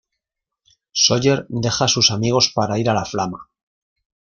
Sawyer deja a sus amigos para ir a la Flama.